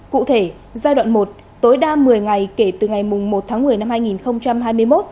cụ thể giai đoạn một tối đa một mươi ngày kể từ ngày một tháng một mươi năm hai nghìn hai mươi một